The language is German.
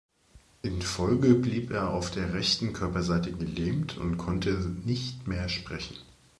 In Folge blieb er auf der rechten Körperseite gelähmt und konnte nicht mehr sprechen.